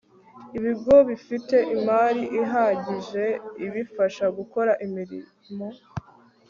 ibigo bifite imari ihagije ibifasha gukora imirimo